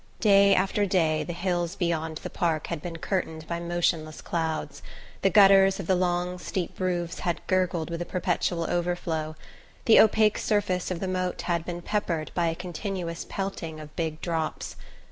Day after day the hills beyond the park had been curtained by motionless clouds, the gutters of the long steep roofs had gurgled with a perpetual overflow, the opaque surface of the moat been peppered by a continuous pelting of big drops.